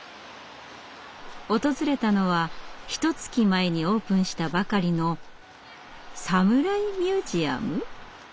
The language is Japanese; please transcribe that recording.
訪れたのはひとつき前にオープンしたばかりの「サムライミュージアム」！？